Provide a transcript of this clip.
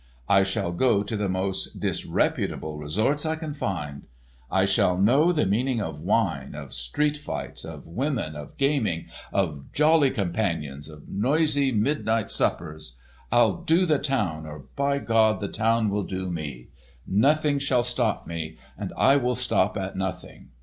I shall go to the most disreputable resorts I can find—I shall know the meaning of wine, of street fights, of women, of gaming, of jolly companions, of noisy mid night suppers. I'll do the town, or by God, the town will do me. Nothing shall stop me, and I will stop at nothing.